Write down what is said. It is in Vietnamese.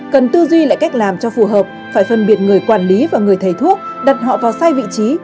cần tư duy lại cách làm cho phù hợp phải phân biệt người quản lý và người thầy thuốc đặt họ vào sai vị trí